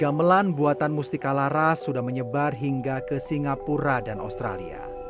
gamelan buatan mustika laras sudah menyebar hingga ke singapura dan australia